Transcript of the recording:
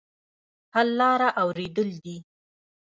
حل لاره اورېدل دي.